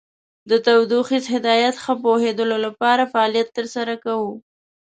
د تودوخیز هدایت ښه پوهیدلو لپاره فعالیت تر سره کوو.